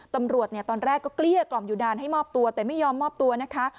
ตำรวจเนี่ยตอนแรกก็เกลี้ยกล่อมอยู่นานให้มอบตัวแต่ไม่ยอมมอบตัวนะคะ